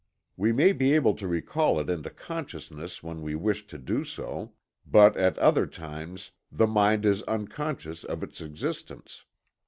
We may be able to recall it into consciousness when we wish to do so; but at other times the mind is unconscious of its existence.